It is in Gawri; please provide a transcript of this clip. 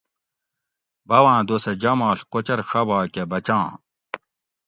باٞواٞں دوسہ جاماݪ کوچر ݭابا کٞہ بچاں